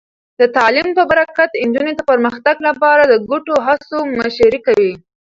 د تعلیم په برکت، نجونې د پرمختګ لپاره د ګډو هڅو مشري کوي.